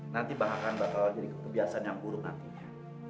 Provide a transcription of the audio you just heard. nanti bakalan bakal jadi kebiasaan yang buruk nantinya